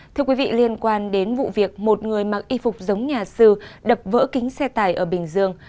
thưa quý vị liên quan đến vụ việc một người mặc y phục giống nhà sư đập vỡ kính xe tải ở bình dương